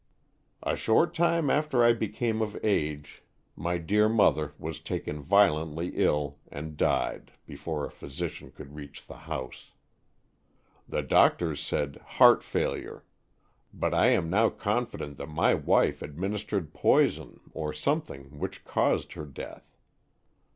"A short time after I became of age 25 Stories from the Adirondack*. my dear mother was taken violently ill and died before a physician could reach the house. The doctors said 'heart fail ure,' but I am now confident that my wife administered poison or something which caused her death.